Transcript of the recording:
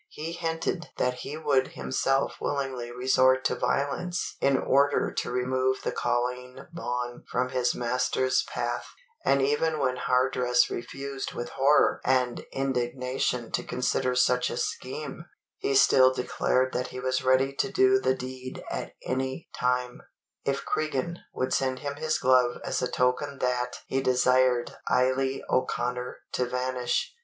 He hinted that he would himself willingly resort to violence in order to remove the Colleen Bawn from his master's path; and even when Hardress refused with horror and indignation to consider such a scheme, he still declared that he was ready to do the deed at any time, if Cregan would send him his glove as a token that he desired Eily O'Connor to vanish.